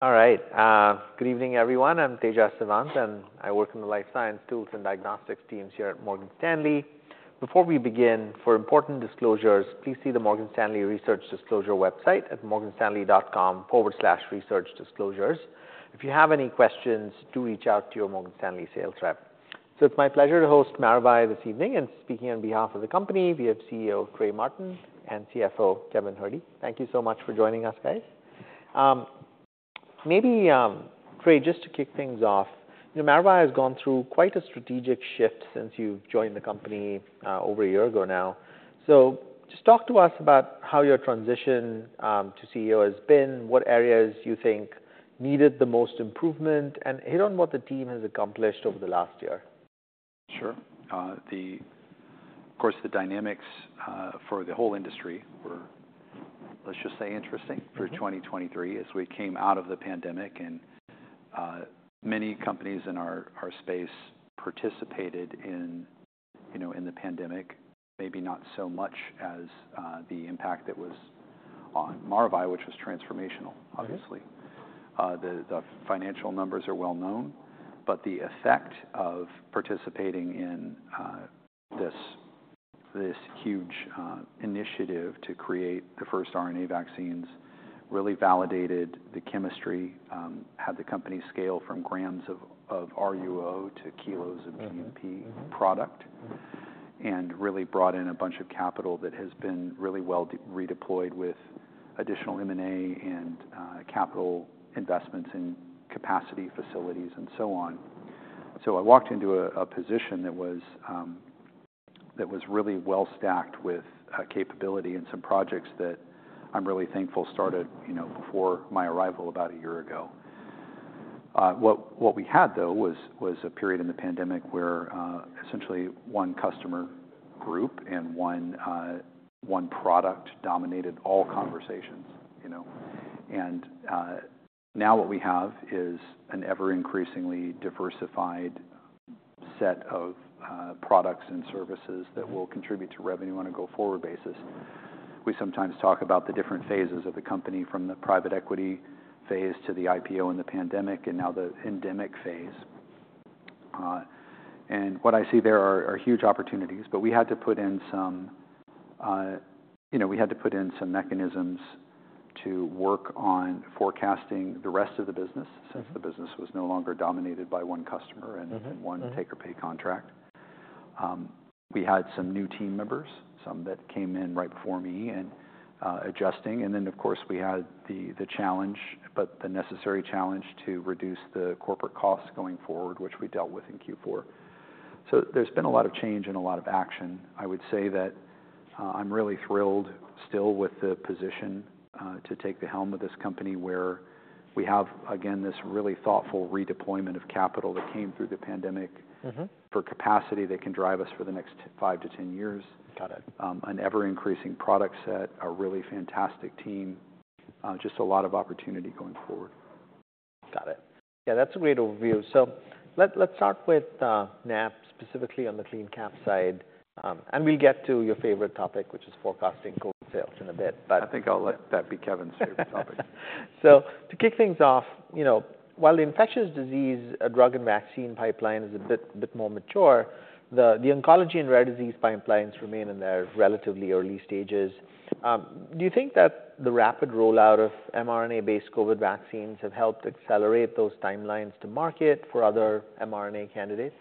All right, good evening, everyone. I'm Tejas Savant, and I work in the life science tools and diagnostics teams here at Morgan Stanley. Before we begin, for important disclosures, please see the Morgan Stanley Research Disclosure website at morganstanley.com/researchdisclosures. If you have any questions, do reach out to your Morgan Stanley sales rep. It's my pleasure to host Maravai this evening, and speaking on behalf of the company, we have CEO Trey Martin and CFO Kevin Herde. Thank you so much for joining us, guys. Maybe Craig, just to kick things off, you know, Maravai has gone through quite a strategic shift since you've joined the company, over a year ago now. So just talk to us about how your transition to CEO has been, what areas you think needed the most improvement, and hit on what the team has accomplished over the last year. Sure. Of course, the dynamics for the whole industry were, let's just say, interesting-... for 2023 as we came out of the pandemic, and, many companies in our space participated in, you know, in the pandemic, maybe not so much as, the impact that was on Maravai, which was transformational-... obviously. The financial numbers are well known, but the effect of participating in this huge initiative to create the first RNA vaccines really validated the chemistry, had the company scale from grams of RUO to kilos of-... GMP product, and really brought in a bunch of capital that has been really well redeployed with additional M&A and capital investments in capacity, facilities and so on. So I walked into a position that was really well-stacked with capability and some projects that I'm really thankful started, you know, before my arrival about a year ago. What we had, though, was a period in the pandemic where essentially one customer group and one product dominated all conversations, you know? Now what we have is an ever increasingly diversified set of products and services that will contribute to revenue on a go-forward basis. We sometimes talk about the different phases of the company, from the private equity phase to the IPO and the pandemic, and now the endemic phase. and what I see there are huge opportunities, but we had to put in some, you know, mechanisms to work on forecasting the rest of the business.... since the business was no longer dominated by one customer-... and one take or pay contract. We had some new team members, some that came in right before me, and adjusting, and then, of course, we had the challenge, but the necessary challenge to reduce the corporate costs going forward, which we dealt with in Q4. So there's been a lot of change and a lot of action. I would say that I'm really thrilled still with the position to take the helm of this company, where we have, again, this really thoughtful redeployment of capital that came through the pandemic-... for capacity that can drive us for the next five to ten years. Got it. An ever-increasing product set, a really fantastic team, just a lot of opportunity going forward. Got it. Yeah, that's a great overview. So let's start with NAP, specifically on the CleanCap side, and we'll get to your favorite topic, which is forecasting COVID sales in a bit, but- I think I'll let that be Kevin's favorite topic. So to kick things off, you know, while the infectious disease drug and vaccine pipeline is a bit more mature, the oncology and rare disease pipelines remain in their relatively early stages. Do you think that the rapid rollout of mRNA-based COVID vaccines have helped accelerate those timelines to market for other mRNA candidates?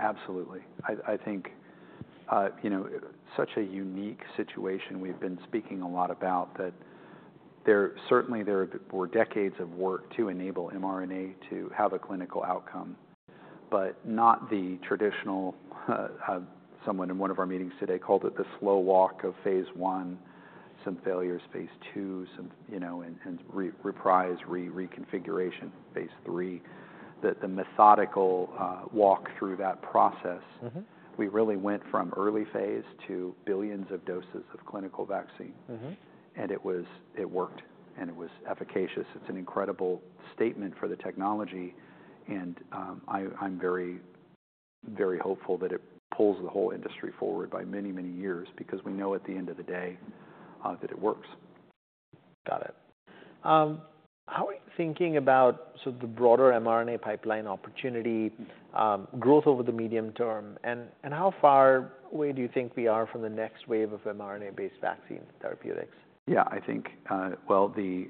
Absolutely. I think, you know, such a unique situation we've been speaking a lot about, that there certainly, there were decades of work to enable mRNA to have a clinical outcome, but not the traditional. Someone in one of our meetings today called it the slow walk of phase I, some failures, phase II, some, you know, and reprise, reconfiguration, phase III. The methodical walk through that process.... we really went from early phase to billions of doses of clinical vaccine. It worked, and it was efficacious. It's an incredible statement for the technology, and I'm very, very hopeful that it pulls the whole industry forward by many, many years because we know at the end of the day that it works. Got it. How are you thinking about sort of the broader mRNA pipeline opportunity, growth over the medium term, and how far away do you think we are from the next wave of mRNA-based vaccine therapeutics? Yeah, I think, well, the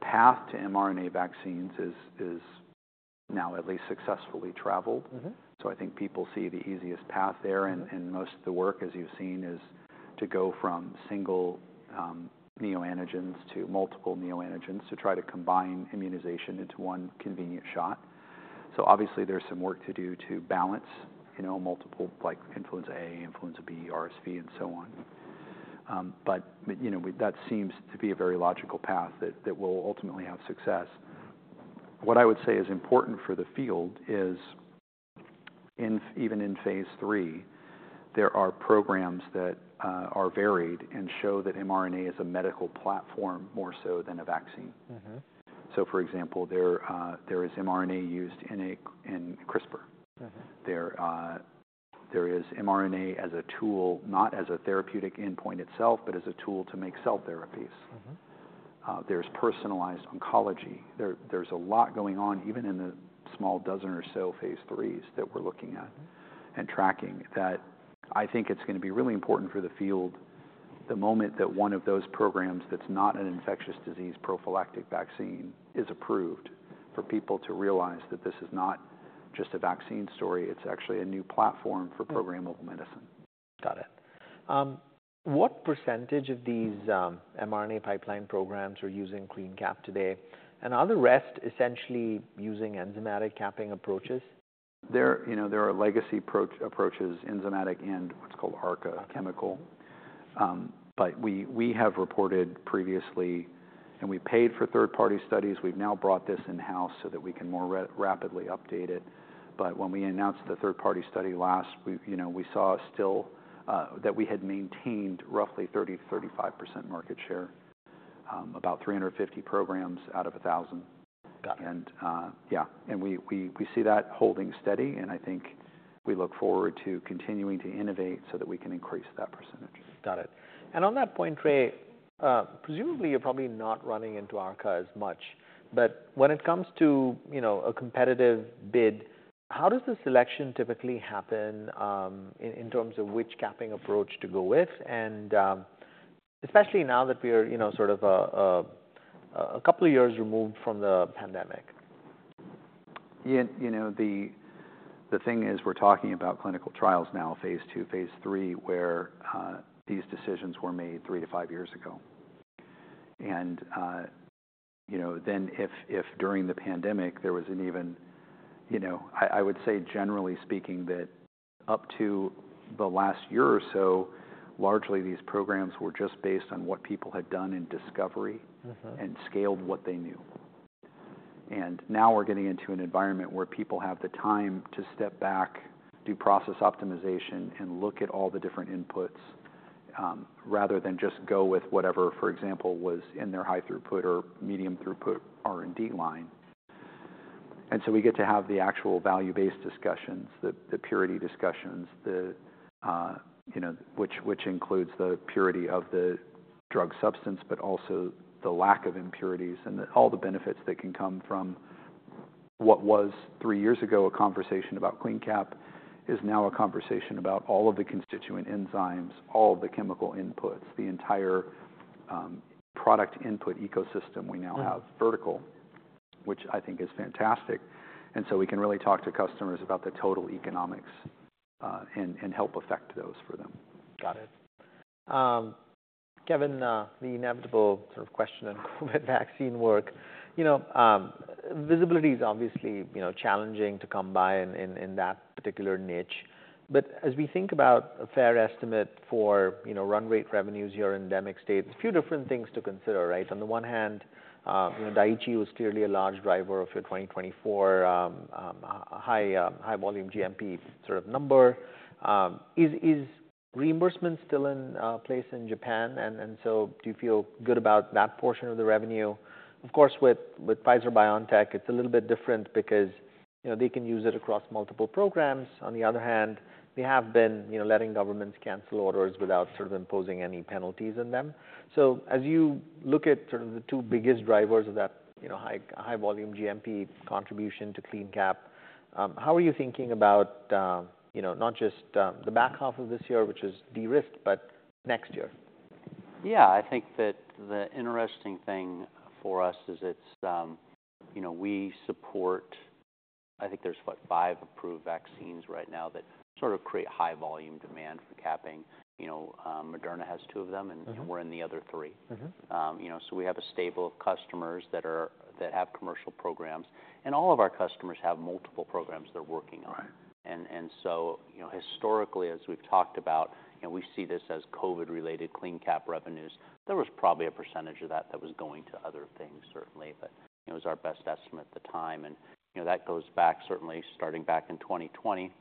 path to mRNA vaccines is now at least successfully traveled. So I think people see the easiest path there, and most of the work, as you've seen, is to go from single neoantigens to multiple neoantigens to try to combine immunization into one convenient shot. So obviously there's some work to do to balance, you know, multiple, like influenza A, influenza B, RSV, and so on. But you know, that seems to be a very logical path that will ultimately have success. What I would say is important for the field is in fact even in phase III, there are programs that are varied and show that mRNA is a medical platform, more so than a vaccine. So for example, there is mRNA used in CRISPR. There is mRNA as a tool, not as a therapeutic endpoint itself, but as a tool to make cell therapies. There's personalized oncology. There's a lot going on, even in the small dozen or so phase III that we're looking at- and tracking, that I think it's gonna be really important for the field, the moment that one of those programs that's not an infectious disease prophylactic vaccine is approved, for people to realize that this is not just a vaccine story, it's actually a new platform for programmable medicine. Got it. What percentage of these, mRNA pipeline programs are using CleanCap today? And are the rest essentially using enzymatic capping approaches? There, you know, there are legacy approaches, enzymatic and what's called ARCA, chemical. But we, we have reported previously, and we paid for third-party studies. We've now brought this in-house so that we can more rapidly update it. But when we announced the third-party study last, we, you know, we saw still, that we had maintained roughly 30%-35% market share, about 350 programs out of 1,000. Got it. Yeah, and we see that holding steady, and I think we look forward to continuing to innovate so that we can increase that percentage. Got it. And on that point, Trey, presumably you're probably not running into ARCA as much, but when it comes to, you know, a competitive bid, how does the selection typically happen, in terms of which capping approach to go with, and, especially now that we're, you know, sort of, a couple of years removed from the pandemic? Yeah, you know, the thing is, we're talking about clinical trials now, phase II, phase III, where these decisions were made three to five years ago. And you know, then if during the pandemic, there was an even... You know, I would say, generally speaking, that up to the last year or so, largely, these programs were just based on what people had done in discovery- and scaled what they knew. And now we're getting into an environment where people have the time to step back, do process optimization, and look at all the different inputs, rather than just go with whatever, for example, was in their high-throughput or medium-throughput R&D line. And so we get to have the actual value-based discussions, the purity discussions, you know, which includes the purity of the drug substance, but also the lack of impurities, and all the benefits that can come from what was, three years ago, a conversation about CleanCap, is now a conversation about all of the constituent enzymes, all of the chemical inputs, the entire product input ecosystem we now have- vertical, which I think is fantastic. And so we can really talk to customers about the total economics, and help affect those for them. Got it. Kevin, the inevitable sort of question on vaccine work, you know, visibility is obviously, you know, challenging to come by in that particular niche. But as we think about a fair estimate for, you know, run rate revenues, your endemic states, a few different things to consider, right? On the one hand, you know, Daiichi was clearly a large driver of your 2024 high volume GMP sort of number. Is reimbursement still in place in Japan? And so do you feel good about that portion of the revenue? Of course, with Pfizer-BioNTech, it's a little bit different because, you know, they can use it across multiple programs. On the other hand, they have been, you know, letting governments cancel orders without sort of imposing any penalties on them. So as you look at sort of the two biggest drivers of that, you know, high, high volume GMP contribution to CleanCap, how are you thinking about, you know, not just, the back half of this year, which is de-risked, but next year? Yeah. I think that the interesting thing for us is it's, you know, we support... I think there's, what, five approved vaccines right now that sort of create high volume demand for capping. You know, Moderna has two of them-... and we're in the other three. You know, so we have a stable of customers that have commercial programs, and all of our customers have multiple programs they're working on. So, you know, historically, as we've talked about, you know, we see this as COVID-related CleanCap revenues. There was probably a percentage of that that was going to other things, certainly, but it was our best estimate at the time. You know, that goes back, certainly, starting back in 2020,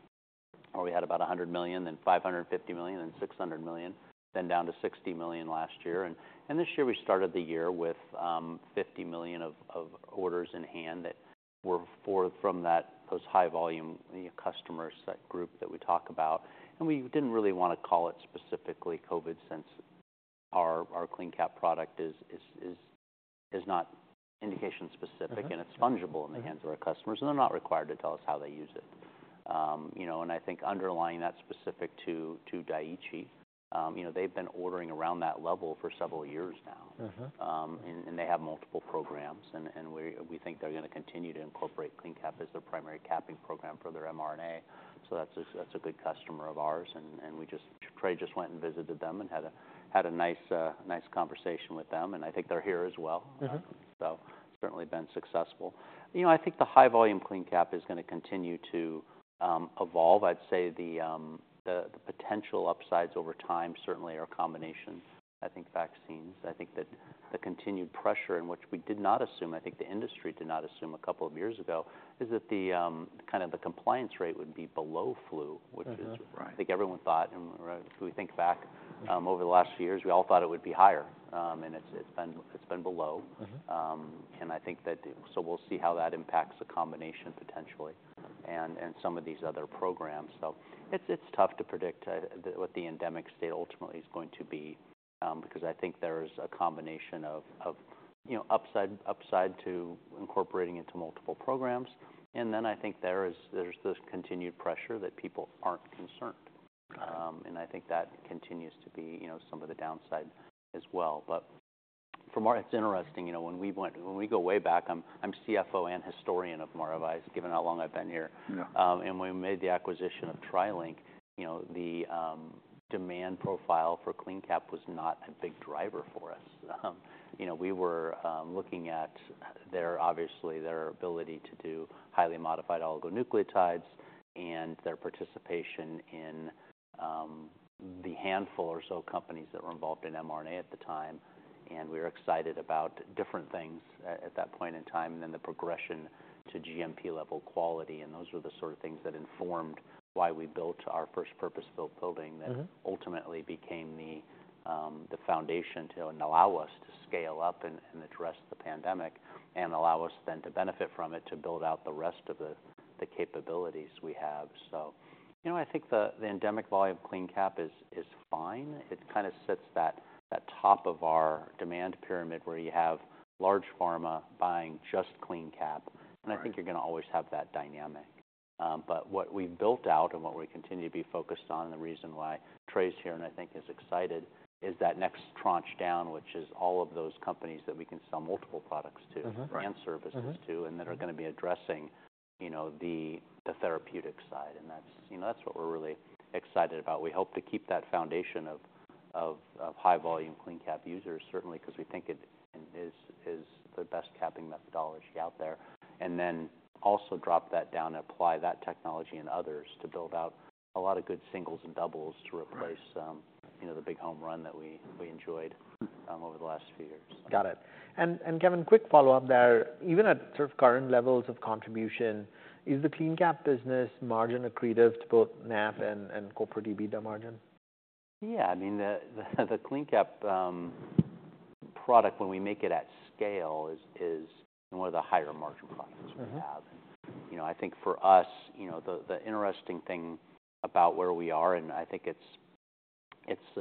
where we had about $100 million, then $550 million, then $600 million, then down to $60 million last year. And this year, we started the year with 50 million of orders in hand that were from those high volume customers, that group that we talk about. We didn't really want to call it specifically COVID, since our CleanCap product is not indication specific.... and it's fungible-... in the hands of our customers, and they're not required to tell us how they use it. You know, and I think underlying that specific to Daiichi, you know, they've been ordering around that level for several years now. They have multiple programs, and we think they're gonna continue to incorporate CleanCap as their primary capping program for their mRNA. So that's a good customer of ours, and Trey just went and visited them and had a nice conversation with them, and I think they're here as well. So certainly been successful. You know, I think the high volume CleanCap is gonna continue to evolve. I'd say the potential upsides over time certainly are a combination. I think vaccines, I think that the continued pressure in which we did not assume, I think the industry did not assume a couple of years ago, is that the kind of the compliance rate would be below flu-... which is, I think everyone thought, and if we think back, over the last few years, we all thought it would be higher. And it's been below. I think that, so we'll see how that impacts the combination, potentially, and some of these other programs. So it's tough to predict what the endemic state ultimately is going to be because I think there's a combination of you know upside to incorporating into multiple programs. And then I think there's this continued pressure that people aren't concerned. I think that continues to be, you know, some of the downside as well. But for Maravai, it's interesting, you know, when we go way back. I'm CFO and historian of Maravai, given how long I've been here. And when we made the acquisition of TriLink, you know, the demand profile for CleanCap was not a big driver for us. You know, we were looking at their, obviously, their ability to do highly modified oligonucleotides and their participation in the handful or so companies that were involved in mRNA at the time, and we were excited about different things at that point in time, and then the progression to GMP-level quality. And those were the sort of things that informed why we built our first purpose-built building-... that ultimately became the foundation to allow us to scale up and address the pandemic, and allow us then to benefit from it, to build out the rest of the capabilities we have. So, you know, I think the endemic volume of CleanCap is fine. It kind of sits that top of our demand pyramid, where you have large pharma buying just CleanCap. I think you're going to always have that dynamic. But what we've built out and what we continue to be focused on, and the reason why Trey's here, and I think is excited, is that next tranche down, which is all of those companies that we can sell multiple products to-... and services to-... and that are going to be addressing, you know, the therapeutic side. And that's, you know, that's what we're really excited about. We hope to keep that foundation of high-volume CleanCap users, certainly because we think it is the best capping methodology out there. And then also drop that down and apply that technology and others to build out a lot of good singles and doubles to replace-... you know, the big home run that we enjoyed over the last few years. Got it. And, Kevin, quick follow-up there. Even at sort of current levels of contribution, is the CleanCap business margin accretive to both NAP and corporate EBITDA margin? Yeah. I mean, the CleanCap product, when we make it at scale, is one of the higher margin products we have. You know, I think for us, you know, the interesting thing about where we are, and I think it's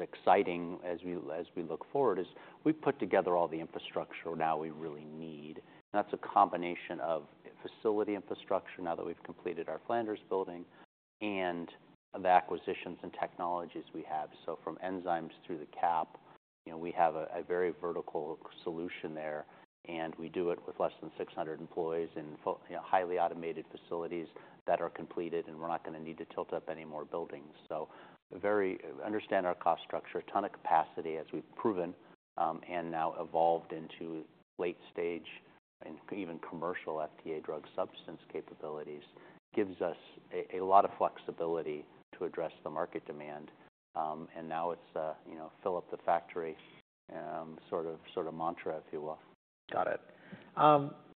exciting as we look forward, is we've put together all the infrastructure now we really need. That's a combination of facility infrastructure, now that we've completed our Flanders building, and the acquisitions and technologies we have. So from enzymes through the cap, you know, we have a very vertical solution there, and we do it with less than 600 employees in fully you know, highly automated facilities that are completed, and we're not going to need to tilt up any more buildings. So very... Understand our cost structure, a ton of capacity, as we've proven, and now evolved into late stage and even commercial FDA drug substance capabilities, gives us a lot of flexibility to address the market demand. And now it's, you know, fill up the factory, sort of mantra, if you will. Got it.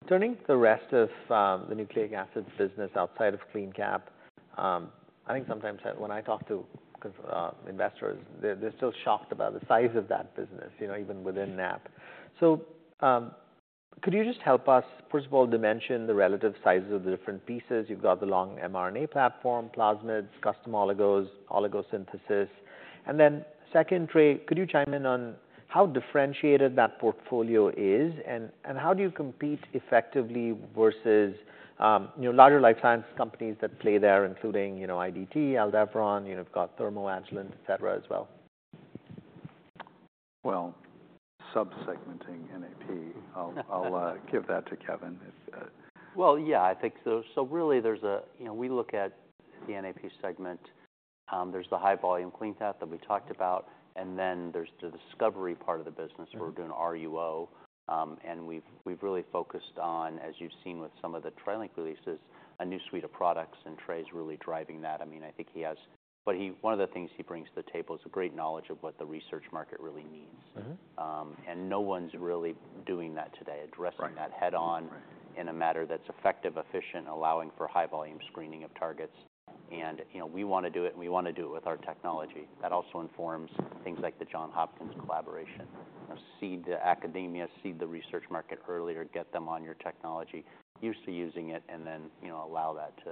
Turning to the rest of the nucleic acids business outside of CleanCap, I think sometimes when I talk to, 'cause, investors, they're still shocked about the size of that business, you know, even within NAP. So, could you just help us, first of all, dimension the relative sizes of the different pieces? You've got the long mRNA platform, plasmids, custom oligos, oligo synthesis. And then secondly, could you chime in on how differentiated that portfolio is? And how do you compete effectively versus, you know, larger life science companies that play there, including, you know, IDT, Aldevron, you've got Thermo insulin, et cetera, as well? Well, sub-segmenting NAP, I'll give that to Kevin if, Well, yeah, I think so. So really, there's a, you know, we look at the NAP segment, there's the high-volume CleanCap that we talked about, and then there's the discovery part of the business-... where we're doing RUO. And we've really focused on, as you've seen with some of the TriLink releases, a new suite of products, and Trey is really driving that. I mean, I think he has, but he, one of the things he brings to the table is a great knowledge of what the research market really needs And no one's really doing that today, addressing-Right... that head on, in a manner that's effective, efficient, allowing for high-volume screening of targets. And, you know, we want to do it, and we want to do it with our technology. That also informs things like the Johns Hopkins collaboration. You know, seed the academia, seed the research market earlier, get them on your technology, used to using it, and then, you know, allow that to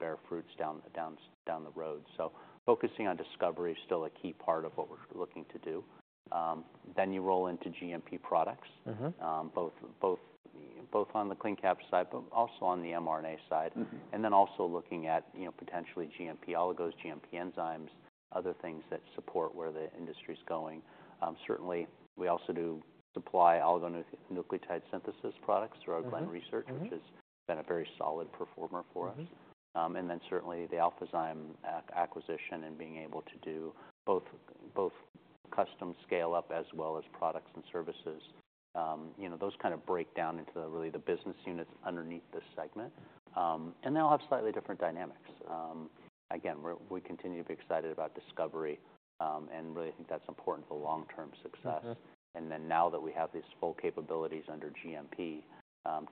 bear fruits down the road. So focusing on discovery is still a key part of what we're looking to do. Then you roll into GMP products-... both on the CleanCap side, but also on the mRNA side. Then also looking at, you know, potentially GMP oligos, GMP enzymes, other things that support where the industry's going. Certainly, we also do supply oligonucleotide synthesis products-... through our Glen Research-... which has been a very solid performer for us. Then certainly the Alphazyme acquisition, and being able to do both, both custom scale-up as well as products and services. You know, those kind of break down into the, really, the business units underneath this segment, and they all have slightly different dynamics. Again, we continue to be excited about discovery, and really, I think that's important for long-term success. And then now that we have these full capabilities under cGMP,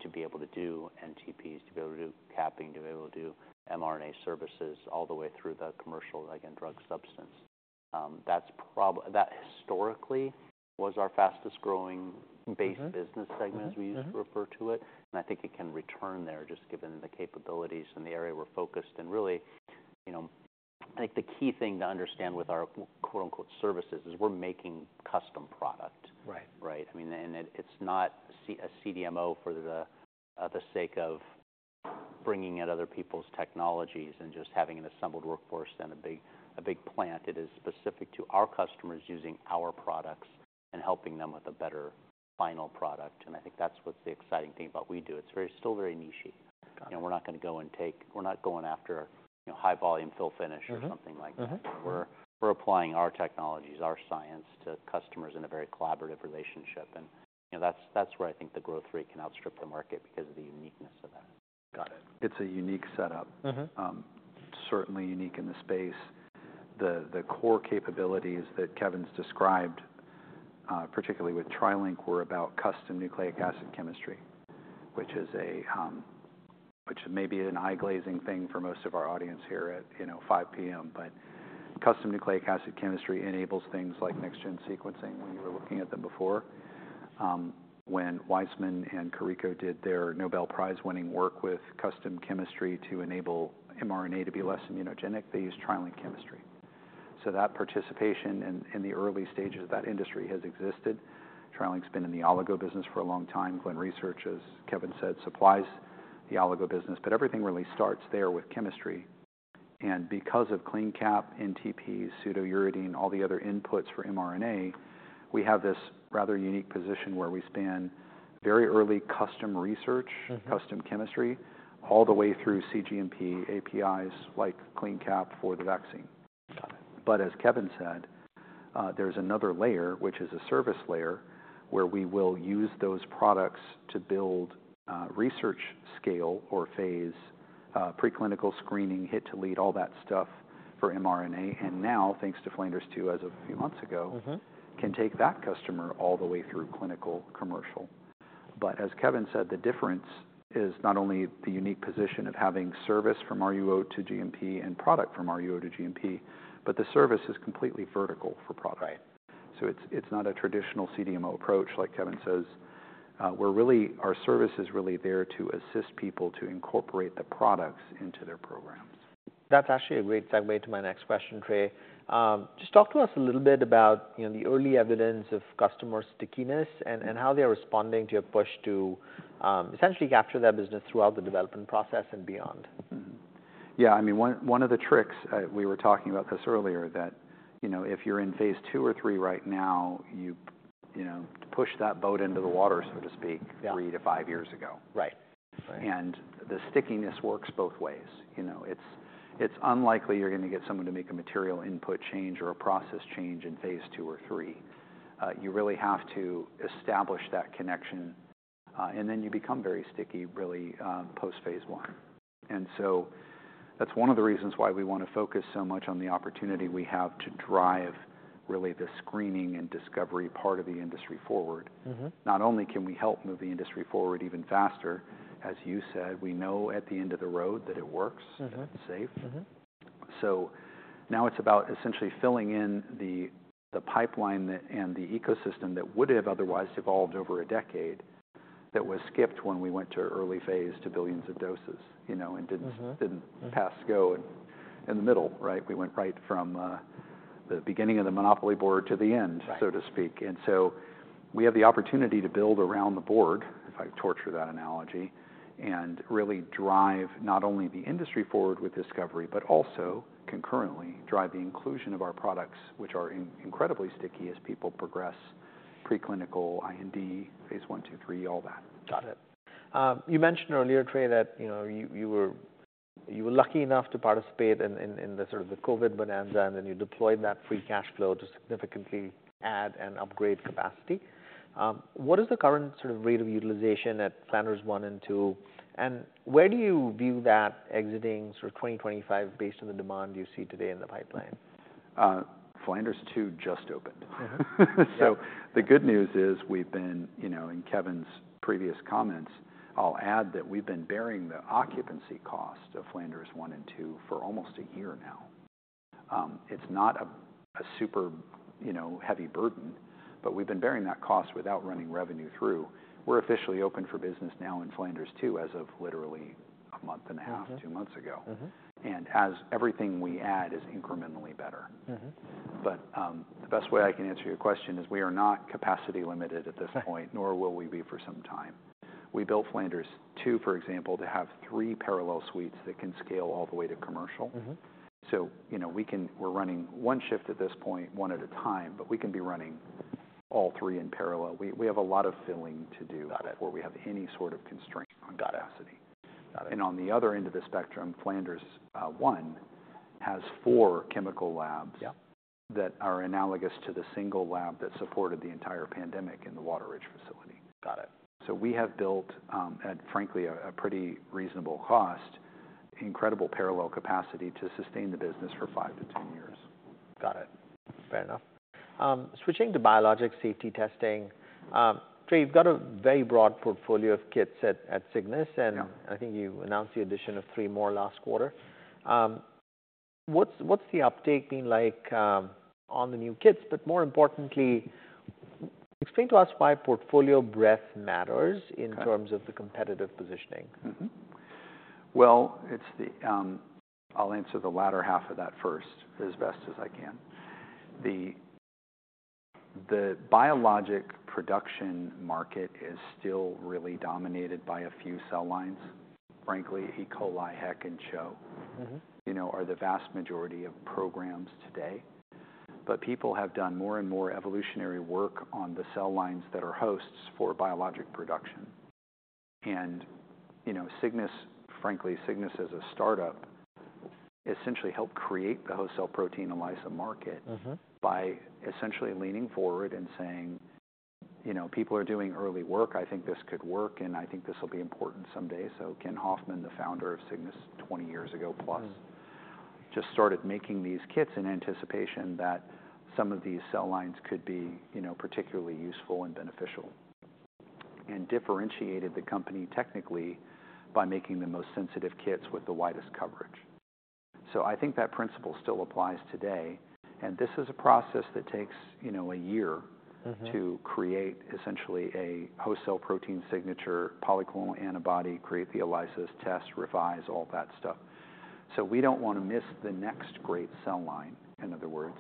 to be able to do NTPs, to be able to do capping, to be able to do mRNA services all the way through the commercial, again, drug substance. That's that historically was our fastest growing base-... business segment, as we used to refer to it. I think it can return there, just given the capabilities and the area we're focused, you know, I think the key thing to understand with our, quote-unquote, services, is we're making custom product. Right? I mean, and it, it's not a CDMO for the sake of bringing in other people's technologies and just having an assembled workforce and a big, a big plant. It is specific to our customers using our products and helping them with a better final product, and I think that's what's the exciting thing about we do. It's very, still very niche. Got it. You know, we're not going after, you know, high volume fill finish- or something like that. We're applying our technologies, our science, to customers in a very collaborative relationship. And, you know, that's where I think the growth rate can outstrip the market, because of the uniqueness of that. Got it. It's a unique setup. Certainly unique in the space. The core capabilities that Kevin's described, particularly with TriLink, were about custom nucleic acid chemistry, which is a, which may be an eye-glazing thing for most of our audience here at, you know, 5:00 P.M. But custom nucleic acid chemistry enables things like next gen sequencing, when you were looking at them before. When Weissman and Karikó did their Nobel Prize-winning work with custom chemistry to enable mRNA to be less immunogenic, they used TriLink chemistry. So that participation in the early stages of that industry has existed. TriLink's been in the oligo business for a long time. Glen Research, as Kevin said, supplies the oligo business, but everything really starts there with chemistry. Because of CleanCap, NTP, pseudouridine, all the other inputs for mRNA, we have this rather unique position where we span very early custom research.... custom chemistry, all the way through cGMP, APIs, like CleanCap for the vaccine. But as Kevin said, there's another layer, which is a service layer, where we will use those products to build, research scale or phase, preclinical screening, hit to lead, all that stuff for mRNA. And now, thanks to Flanders 2, as of a few months ago-... can take that customer all the way through clinical commercial, but as Kevin said, the difference is not only the unique position of having service from RUO to GMP and product from RUO to GMP, but the service is completely vertical for product. So it's, it's not a traditional CDMO approach, like Kevin says. We're really, our service is really there to assist people to incorporate the products into their programs. That's actually a great segue to my next question, Trey. Just talk to us a little bit about, you know, the early evidence of customer stickiness and-... and how they're responding to your push to, essentially, capture their business throughout the development process and beyond. Mm-hmm. Yeah, I mean, one of the tricks, we were talking about this earlier, that, you know, if you're in phase II or III right now, you know, pushed that boat into the water, so to speak-... three to five years ago. The stickiness works both ways. You know, it's unlikely you're gonna get someone to make a material input change or a process change in phase II or III. You really have to establish that connection, and then you become very sticky really post-phase I. So that's one of the reasons why we want to focus so much on the opportunity we have to drive really the screening and discovery part of the industry forward. Not only can we help move the industry forward even faster, as you said, we know at the end of the road that it works-... and it's safe. So now it's about essentially filling in the pipeline that, and the ecosystem that would have otherwise evolved over a decade, that was skipped when we went to early phase to billions of doses, you know, and didn't-... didn't pass go in the middle, right? We went right from the beginning of the Monopoly board to the end-... so to speak. And so we have the opportunity to build around the board, if I torture that analogy, and really drive not only the industry forward with discovery, but also concurrently, drive the inclusion of our products, which are incredibly sticky as people progress preclinical, IND, phase I, II, III, all that. Got it. You mentioned earlier, Trey, that, you know, you were lucky enough to participate in the sort of COVID bonanza, and then you deployed that free cash flow to significantly add and upgrade capacity. What is the current sort of rate of utilization at Flanders 1 and 2, and where do you view that exiting 2025 based on the demand you see today in the pipeline? Flanders 2 just opened. So the good news is, we've been, you know, in Kevin's previous comments, I'll add that we've been bearing the occupancy cost of Flanders 1 and 2 for almost a year now. It's not a super, you know, heavy burden, but we've been bearing that cost without running revenue through. We're officially open for business now in Flanders 2, as of literally a month and a half-... two months ago. As everything we add is incrementally better. But, the best way I can answer your question is we are not capacity limited at this point... nor will we be for some time. We built Flanders 2, for example, to have three parallel suites that can scale all the way to commercial. So, you know, we can, we're running one shift at this point, one at a time, but we can be running all three in parallel. We have a lot of filling to do-... before we have any sort of constraint on capacity. And on the other end of the spectrum, Flanders one has four chemical labs. Yeah... that are analogous to the single lab that supported the entire pandemic in the Water Ridge facility. So we have built, at frankly a pretty reasonable cost, incredible parallel capacity to sustain the business for five to 10 years. Got it. Fair enough. Switching to biologic safety testing, Trey, you've got a very broad portfolio of kits at Cygnus-... and I think you announced the addition of three more last quarter. What's the uptake been like on the new kits? But more importantly, explain to us why portfolio breadth matters- In terms of the competitive positioning? Mm-hmm. Well, it's the, I'll answer the latter half of that first, as best as I can. The biologic production market is still really dominated by a few cell lines. Frankly, E. coli, HEK, and CHO- You know, are the vast majority of programs today. But people have done more and more evolutionary work on the cell lines that are hosts for biologic production. And, you know, Cygnus - frankly, Cygnus as a startup, essentially helped create the host cell protein ELISA market. by essentially leaning forward and saying, "You know, people are doing early work. I think this could work, and I think this will be important someday." So Ken Hoffman, the founder of Cygnus twenty years ago plus-... just started making these kits in anticipation that some of these cell lines could be, you know, particularly useful and beneficial, and differentiated the company technically by making the most sensitive kits with the widest coverage, so I think that principle still applies today, and this is a process that takes, you know, a year- To create essentially a host cell protein signature, polyclonal antibody, create the ELISA test, revise, all that stuff. So we don't want to miss the next great cell line, in other word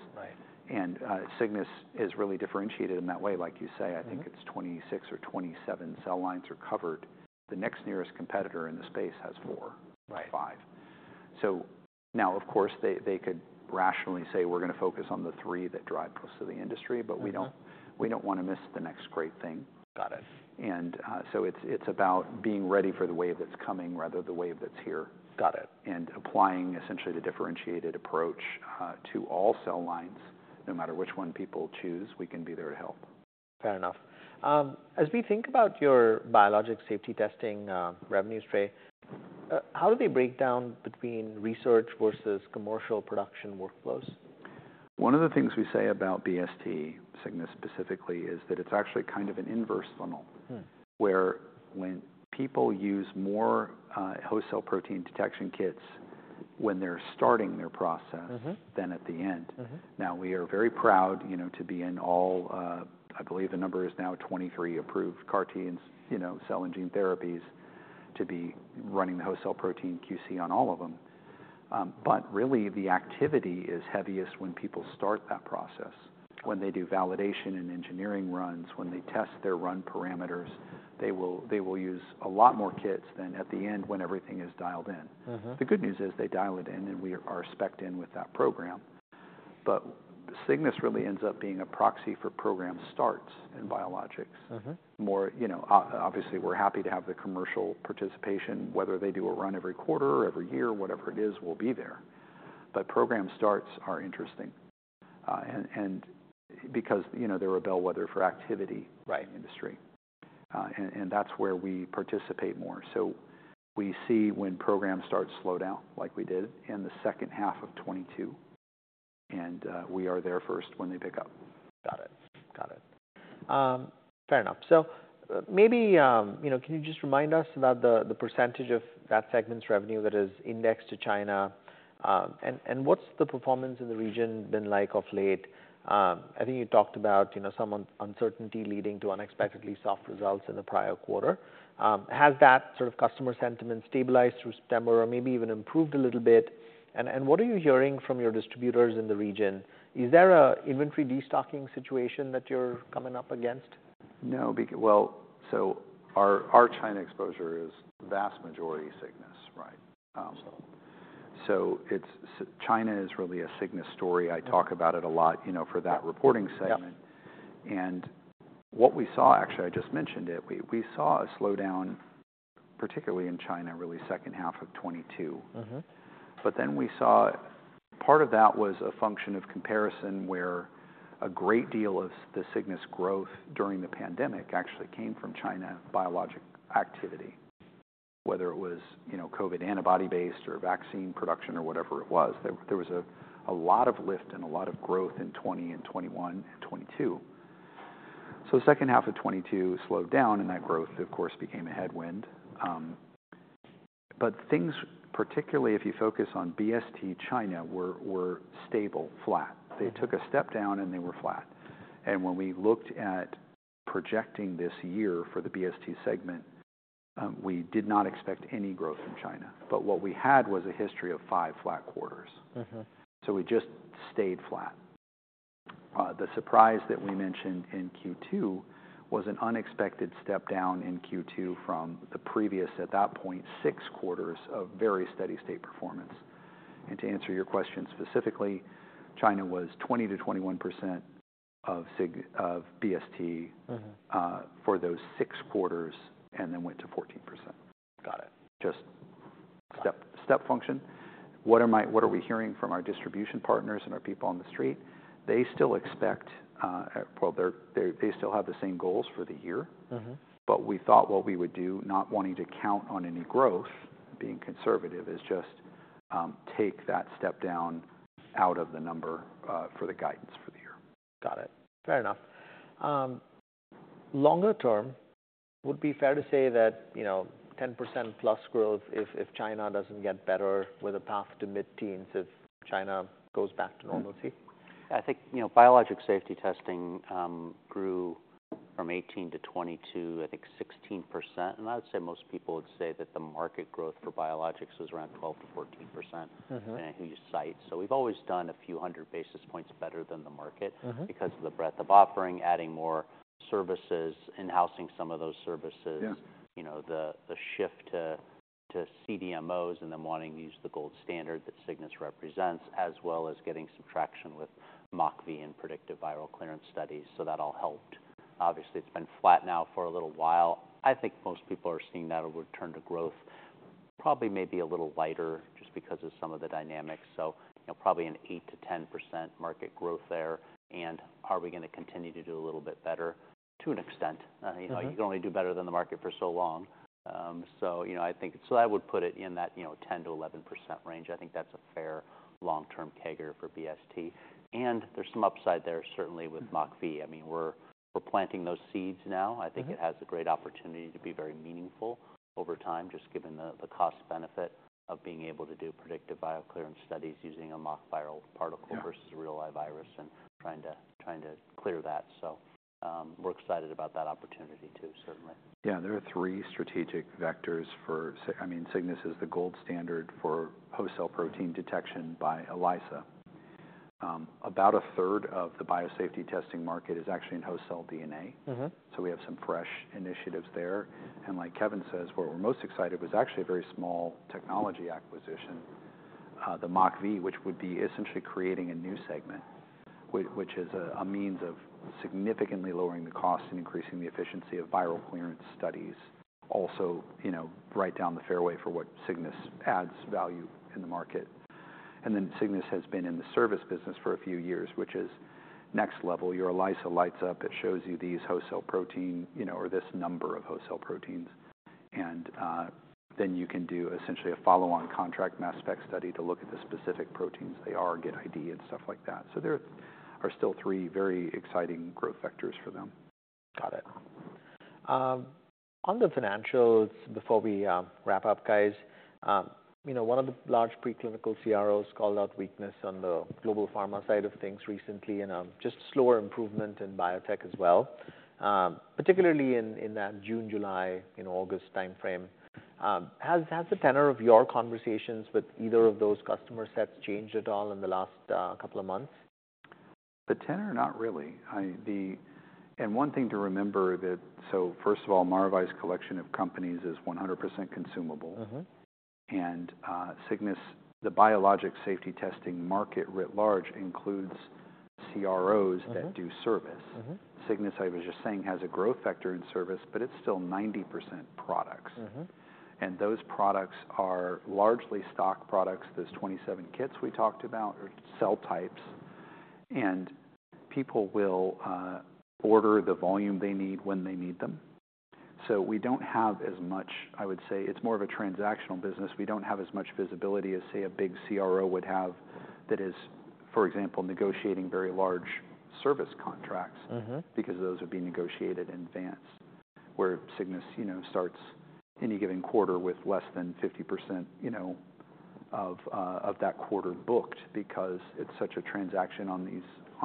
Cygnus is really differentiated in that way. Like you sa I think it's 26 or 27 cell lines are covered. The next nearest competitor in the space has four. Five. So now, of course, they could rationally say, "We're gonna focus on the three that drive most of the industry," but we don't. ... we don't wanna miss the next great thing It's about being ready for the wave that's coming, rather than the wave that's here. And applying essentially the differentiated approach to all cell lines. No matter which one people choose, we can be there to help. Fair enough. As we think about your Biologics Safety Testing revenues, Trey, how do they break down between research versus commercial production workflows? One of the things we say about BST, Cygnus specifically, is that it's actually kind of an inverse funnel. Where when people use more, host cell protein detection kits when they're starting their process -than at the end. Now, we are very proud, you know, to be in all, I believe the number is now 23 approved CAR-Ts, you know, cell and gene therapies, to be running the host cell protein QC on all of them. But really, the activity is heaviest when people start that process, when they do validation and engineering runs. When they test their run parameters, they will use a lot more kits than at the end, when everything is dialed in. The good news is, they dial it in, and we are spec'd in with that program. But Cygnus really ends up being a proxy for program starts in biologics. You know, obviously, we're happy to have the commercial participation, whether they do a run every quarter or every year, whatever it is, we'll be there. But program starts are interesting, and because, you know, they're a bellwether for activity- in the industry, and that's where we participate more. So we see when program starts slow down, like we did in the second half of 2022, and we are there first when they pick up. Got it. Fair enough. So maybe, you know, can you just remind us about the, the percentage of that segment's revenue that is indexed to China? And what's the performance in the region been like of late? I think you talked about, you know, some uncertainty leading to unexpectedly soft results in the prior quarter. Has that sort of customer sentiment stabilized through September, or maybe even improved a little bit? And what are you hearing from your distributors in the region? Is there a inventory destocking situation that you're coming up against? No. Well, so our China exposure is the vast majority Cygnus, right? China is really a Cygnus story. I talk about it a lot, you know, for that reporting segment. What we saw... Actually, I just mentioned it. We saw a slowdown, particularly in China, really second half of 2022. But then we saw part of that was a function of comparison, where a great deal of the Cygnus growth during the pandemic actually came from China biologics activity. Whether it was, you know, COVID antibody-based or vaccine production or whatever it was, there was a lot of lift and a lot of growth in 2020, 2021, and 2022. So the second half of 2022 slowed down, and that growth, of course, became a headwind. But things, particularly if you focus on BST China, were stable, flat. They took a step down, and they were flat. And when we looked at projecting this year for the BST segment, we did not expect any growth from China. But what we had was a history of five flat quarters. So we just stayed flat. The surprise that we mentioned in Q2 was an unexpected step down in Q2 from the previous, at that point, six quarters of very steady state performance. And to answer your question specifically, China was 20%-21% of Cygnus of BST-... for those six quarters, and then went to 14%. Just step function. What am I-- What are we hearing from our distribution partners and our people on the street? They still expect, well, they still have the same goals for the year. But we thought what we would do, not wanting to count on any growth, being conservative, is just take that step down out of the number for the guidance for the year. Got it. Fair enough.... longer term, would it be fair to say that, you know, 10%+ growth if China doesn't get better with a path to mid-teens, if China goes back to normalcy? I think, you know, Biologics Safety Testing grew from 18-22, I think 16%, and I would say most people would say that the market growth for biologics was around 12-14%. depending on who you cite. So we've always done a few hundred basis points better than the market. because of the breadth of offering, adding more services, in-housing some of those services. You know, the shift to CDMOs, and them wanting to use the gold standard that Cygnus represents, as well as getting some traction with MockV and predictive viral clearance studies, so that all helped. Obviously, it's been flat now for a little while. I think most people are seeing that a return to growth probably may be a little lighter just because of some of the dynamics, so, you know, probably an 8%-10% market growth there, and are we gonna continue to do a little bit better? To an extent. You know, you can only do better than the market for so long, so, you know, I think so I would put it in that, you know, 10%-11% range. I think that's a fair long-term CAGR for BST, and there's some upside there, certainly with-... MockV. I mean, we're planting those seeds now. I think it has a great opportunity to be very meaningful over time, just given the cost benefit of being able to do predictive bioclearance studies using a MockV-... versus a real live virus and trying to clear that. So, we're excited about that opportunity too, certainly. Yeah, there are three strategic vectors for, I mean, Cygnus is the gold standard for host cell protein detection by ELISA. About a third of the biologics safety testing market is actually in host cell DNA. So we have some fresh initiatives there. And like Kevin says, where we're most excited was actually a very small technology acquisition, the MockV, which would be essentially creating a new segment, which is a means of significantly lowering the cost and increasing the efficiency of viral clearance studies. Also, you know, right down the fairway for what Cygnus adds value in the market. And then Cygnus has been in the service business for a few years, which is next level. Your ELISA lights up, it shows you these host cell protein, you know, or this number of host cell proteins. And then you can do essentially a follow-on contract mass spec study to look at the specific proteins, they are, get ID and stuff like that. So there are still three very exciting growth vectors for them. Got it. On the financials, before we wrap up, guys, you know, one of the large preclinical CROs called out weakness on the global pharma side of things recently, and just slower improvement in biotech as well, particularly in that June, July, and August timeframe. Has the tenor of your conversations with either of those customer sets changed at all in the last couple of months? The tenor? Not really. And one thing to remember that, so first of all, Maravai's collection of companies is 100% consumable. Cygnus, the biologic safety testing market, writ large, includes CROs-... that do service. Cygnus, I was just saying, has a growth vector in service, but it's still 90% products. Those products are largely stock products. Those twenty-seven kits we talked about, or cell types, and people will order the volume they need when they need them. So we don't have as much... I would say it's more of a transactional business. We don't have as much visibility as, say, a big CRO would have that is, for example, negotiating very large service contracts.... because those would be negotiated in advance. Where Cygnus, you know, starts any given quarter with less than 50%, you know, of that quarter booked, because it's such a transaction on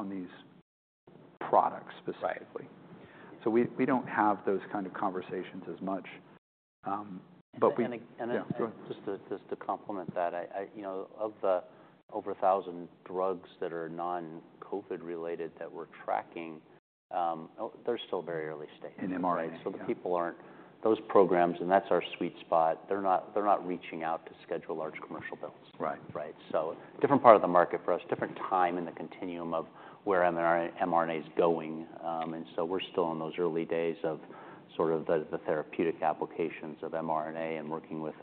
these products specifically. So we don't have those kind of conversations as much, but we- And I Yeah, go ahead.... Just to complement that, you know, of the over a thousand drugs that are non-COVID related that we're tracking, they're still very early stage. In mRNA, yeah. The people aren't. Those programs, and that's our sweet spot, they're not reaching out to schedule large commercial builds. Right. Right. So different part of the market for us, different time in the continuum of where mRNA is going. And so we're still in those early days of sort of the therapeutic applications of mRNA and working with,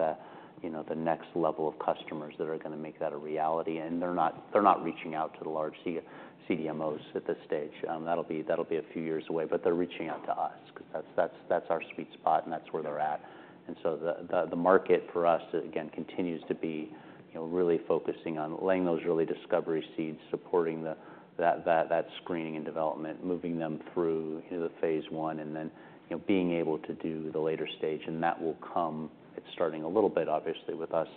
you know, the next level of customers that are gonna make that a reality. And they're not reaching out to the large CDMOs at this stage. That'll be a few years away, but they're reaching out to us, 'cause that's our sweet spot, and that's where they're at. And so the market for us, again, continues to be, you know, really focusing on laying those early discovery seeds, supporting that screening and development, moving them through, you know, the phase I, and then, you know, being able to do the later stage, and that will come. It's starting a little bit, obviously, with us,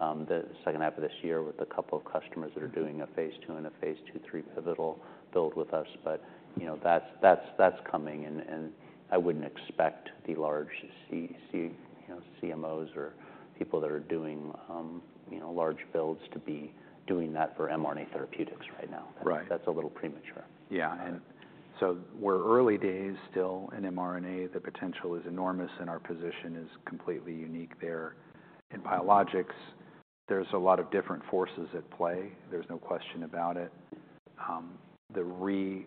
the second half of this year, with a couple of customers that are doing a phase II and a phase II III pivotal build with us. But, you know, that's coming and I wouldn't expect the large CMOs or people that are doing, you know, large builds to be doing that for mRNA therapeutics right now. Right. That's a little premature. We're early days still in mRNA. The potential is enormous, and our position is completely unique there. In biologics, there's a lot of different forces at play, there's no question about it.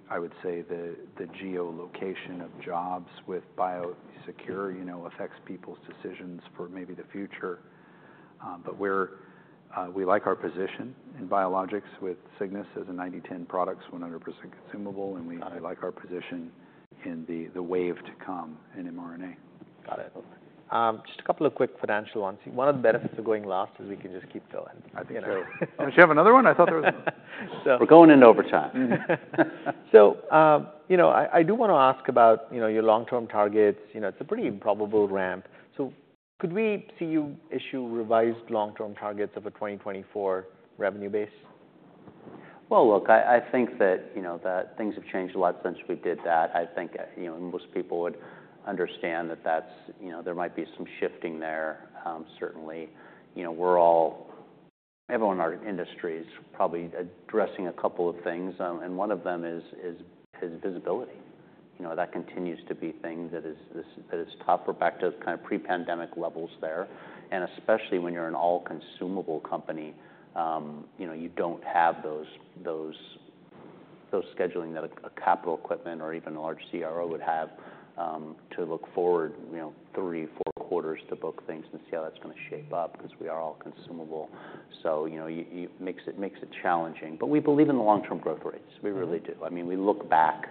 I would say, the geolocation of jobs with BIOSECURE, you know, affects people's decisions for maybe the future. But we like our position in biologics with Cygnus as a 90/10 products, 100% consumable, and we-... like our position in the wave to come in mRNA. Got it. Just a couple of quick financial ones. One of the benefits of going last is we can just keep going. I think so. Did you have another one? I thought there was-... We're going into overtime. You know, I do wanna ask about, you know, your long-term targets. You know, it's a pretty improbable ramp. So could we see you issue revised long-term targets of a 2024 revenue base? Look, I think that, you know, that things have changed a lot since we did that. I think, you know, most people would understand that that's, you know, there might be some shifting there. Certainly. You know, we're all, everyone in our industry is probably addressing a couple of things, and one of them is visibility. You know, that continues to be a thing that is. That is tougher back to kind of pre-pandemic levels there, and especially when you're an all-consumable company, you know, you don't have those scheduling that a capital equipment or even a large CRO would have to look forward, you know, three, four quarters to book things and see how that's gonna shape up, 'cause we are all consumable. So, you know, it makes it challenging, but we believe in the long-term growth rates. We really do. I mean, we look back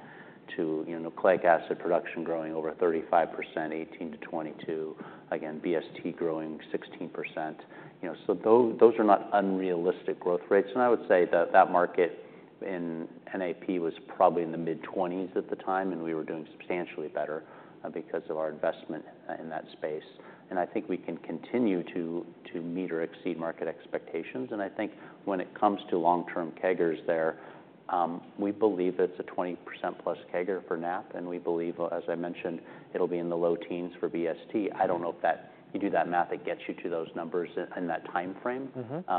to, you know, nucleic acid production growing over 35%, 2018-2022. Again, BST growing 16%. You know, so those are not unrealistic growth rates. And I would say that that market in NAP was probably in the mid-20s at the time, and we were doing substantially better because of our investment in that space. And I think we can continue to meet or exceed market expectations. And I think when it comes to long-term CAGRs there, we believe it's a 20%+ CAGR for NAP, and we believe, as I mentioned, it'll be in the low teams for BST. I don't know if that, you do that math, it gets you to those numbers in that timeframe.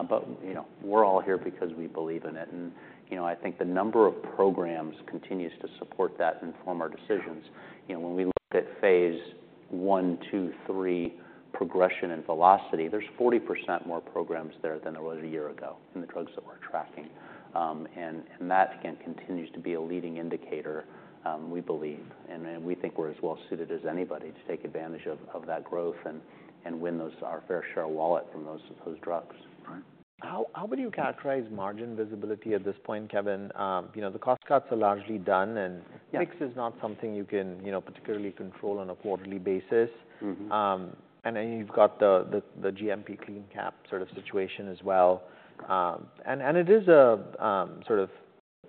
But, you know, we're all here because we believe in it. And, you know, I think the number of programs continues to support that and form our decisions. You know, when we look at phase I, II, III progression and velocity, there's 40% more programs there than there was a year ago in the drugs that we're tracking. And that, again, continues to be a leading indicator, we believe, and we think we're as well suited as anybody to take advantage of that growth and win our fair share of wallet from those drugs. Right. How would you characterize margin visibility at this point, Kevin? You know, the cost cuts are largely done, and-... fix is not something you can, you know, particularly control on a quarterly basis. And then you've got the GMP CleanCap sort of situation as well. And it is a sort of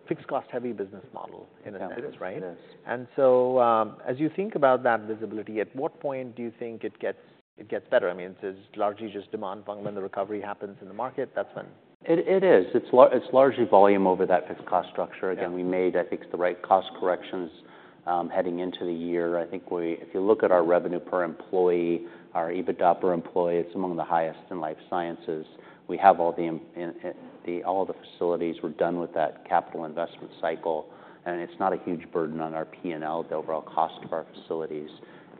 fixed cost-heavy business model in a sense, right? It is. And so, as you think about that visibility, at what point do you think it gets better? I mean, it is largely just demand problem. When the recovery happens in the market, that's when- It is. It's largely volume over that fixed cost structure. Again, we made, I think, the right cost corrections heading into the year. I think we, if you look at our revenue per employee, our EBITDA per employee, it's among the highest in life sciences. We have all the facilities. We're done with that capital investment cycle, and it's not a huge burden on our P&L, the overall cost of our facilities.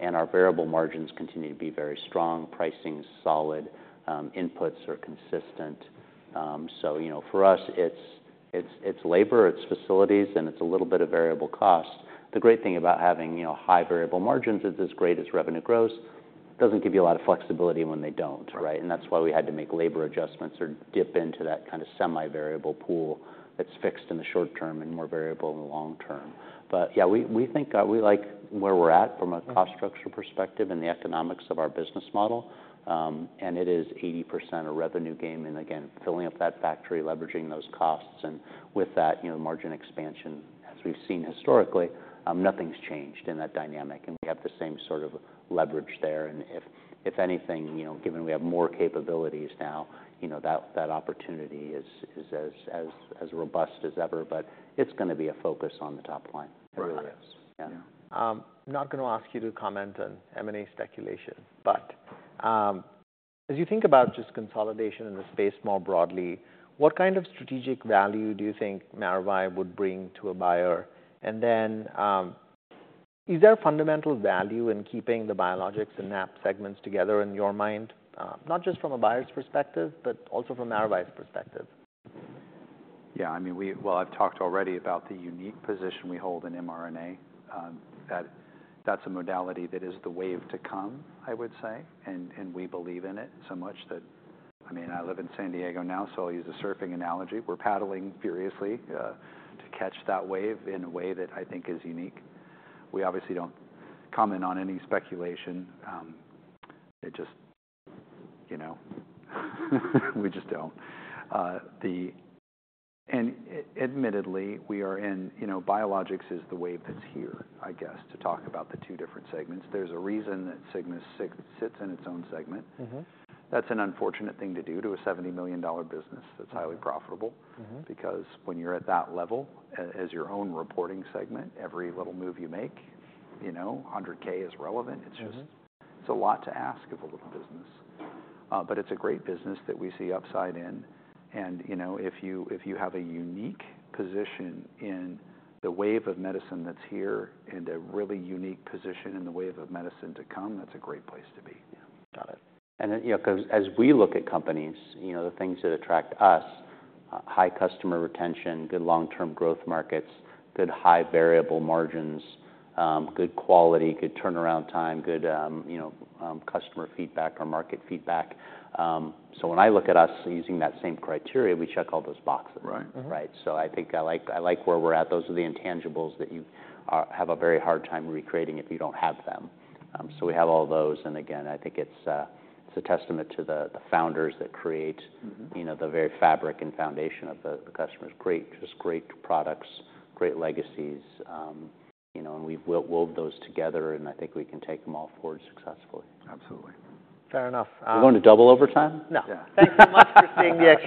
And our variable margins continue to be very strong, pricing's solid, inputs are consistent. So, you know, for us, it's labor, it's facilities, and it's a little bit of variable cost. The great thing about having, you know, high variable margins is as great as revenue grows, doesn't give you a lot of flexibility when they don't, right? And that's why we had to make labor adjustments or dip into that kind of semi-variable pool that's fixed in the short term and more variable in the long term. But yeah, we think we like where we're at from a cost-... structure perspective and the economics of our business model. And it is 80% a revenue game, and again, filling up that factory, leveraging those costs, and with that, you know, margin expansion, as we've seen historically, nothing's changed in that dynamic, and we have the same sort of leverage there. And if anything, you know, given we have more capabilities now, you know, that opportunity is as robust as ever. But it's gonna be a focus on the top line. It really is. Yeah. I'm not gonna ask you to comment on M&A speculation, but, as you think about just consolidation in the space more broadly, what kind of strategic value do you think Maravai would bring to a buyer? And then, is there a fundamental value in keeping the biologics and NAP segments together in your mind? Not just from a buyer's perspective, but also from Maravai's perspective. Yeah, I mean, well, I've talked already about the unique position we hold in mRNA. That's a modality that is the wave to come, I would say, and we believe in it so much that, I mean, I live in San Diego now, so I'll use a surfing analogy. We're paddling furiously to catch that wave in a way that I think is unique. We obviously don't comment on any speculation. It just, you know, we just don't. Admittedly, we are in. You know, biologics is the wave that's here, I guess, to talk about the two different segments. There's a reason that BST sits in its own segment. That's an unfortunate thing to do to a $70 million business.... that's highly profitable. Because when you're at that level as your own reporting segment, every little move you make, you know, $100,000 is relevant. It's just, it's a lot to ask of a little business. But it's a great business that we see upside in and, you know, if you, if you have a unique position in the wave of medicine that's here, and a really unique position in the wave of medicine to come, that's a great place to be. Yeah, got it. And, you know, 'cause as we look at companies, you know, the things that attract us, high customer retention, good long-term growth markets, good high variable margins, good quality, good turnaround time, good, you know, customer feedback or market feedback. So when I look at us using that same criteria, we check all those boxes. Right. Right, so I think I like, I like where we're at. Those are the intangibles that you have a very hard time recreating if you don't have them, so we have all those, and again, I think it's, it's a testament to the founders that create-... you know, the very fabric and foundation of the, the customers. Great, just great products, great legacies, you know, and we've woven those together, and I think we can take them all forward successfully. Absolutely. Fair enough. We're going to double overtime? No. Yeah. Thank you so much for being here.